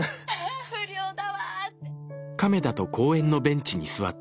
不良だわって！